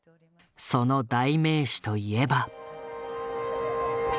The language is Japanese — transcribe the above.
その代名詞といえば。